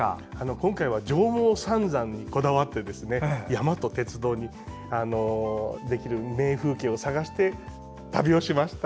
今回は上毛三山にこだわって山と鉄道でできる名風景を探して旅をしました。